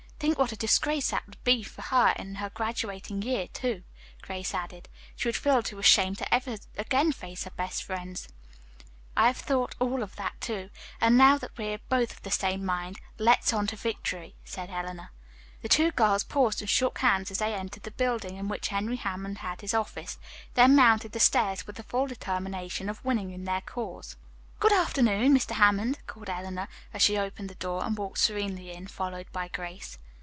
Think what a disgrace that would be for her in her graduating year, too," Grace added. "She would feel too ashamed to ever again face her best friends." "I have thought of all that, too, and now that we are both of the same mind, let's on to victory," said Eleanor. The two girls paused and shook hands as they entered the building in which Henry Hammond had his office, then mounted the stairs with the full determination of winning in their cause. "Good afternoon, Mr. Hammond," called Eleanor, as she opened the door and walked serenely in, followed by Grace.